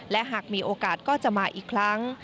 และหากมีโอกาสก็จะมาอีกครั้ง